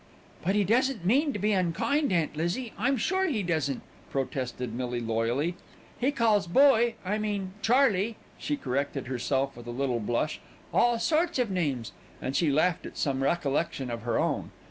"But he doesn't mean to be unkind, Aunt Lizzie, I'm sure he doesn't," protested Millie loyally. "He calls Boy I mean Charley," she corrected herself with a little blush, "all sorts of names," and she laughed at some recollection of her own.